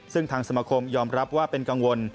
ซึ่งทางสมคมยอมรับว่าเป็นกังวล